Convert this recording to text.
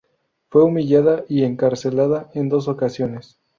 Fue humillada y encarcelada en dos ocasiones.